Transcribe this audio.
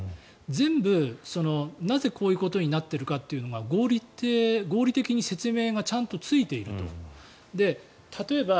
全部、なぜこういうことになっているかというのが合理的に説明がちゃんとついていると。